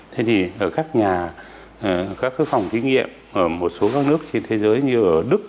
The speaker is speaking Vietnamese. thế thì ở các nhà các phòng thí nghiệm ở một số các nước trên thế giới như ở đức